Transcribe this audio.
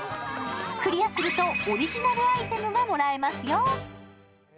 クリアするとオリジナルアイテムがもらえますよ。